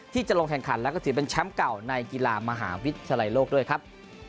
ที่จะลงแข่งขันแล้วก็ถือเป็นแชมป์เก่าในกีฬามหาวิทยาลัยโลกด้วยครับ